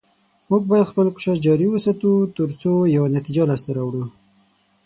موږ باید خپل کوشش جاري وساتو، تر څو یوه نتیجه لاسته راوړو